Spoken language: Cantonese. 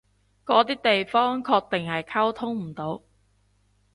嗰啲地方肯定係溝通唔到